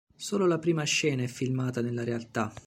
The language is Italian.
Solo la prima scena è filmata nella realtà.